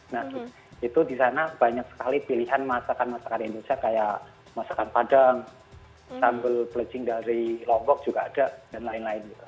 nah itu di sana banyak sekali pilihan masakan masakan indonesia kayak masakan padang sambal pelecing dari lombok juga ada dan lain lain gitu